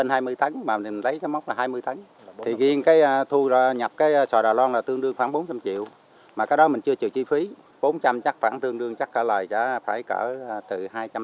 nhiều chi phí bốn trăm linh chắc phản tương đương chắc trả lời phải cỡ từ hai trăm linh sáu hai trăm linh bảy